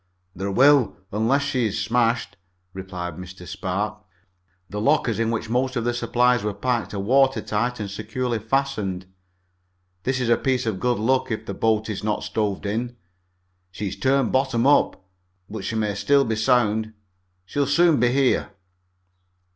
"There will, unless she is smashed," replied Mr. Spark. "The lockers, in which most of the supplies were packed, are water tight and securely fastened. This is a piece of good luck, if the boat is not stove in. She has turned bottom up, but she may still be sound. She'll soon be here."